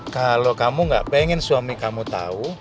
kalau kamu nggak ingin suami kamu tahu